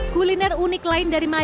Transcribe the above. kuliner unik lain dari mana